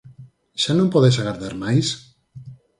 Xa non podes agardar máis?